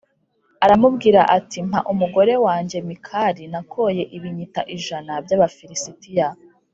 aramubwira ati “Mpa umugore wanjye Mikali nakoye ibinyita ijana by’Abafilisitiya.”